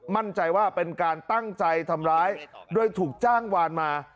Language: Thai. มั่นใจว่าเป็นการตั้งใจทำร้ายโดยถูกจ้างวานมา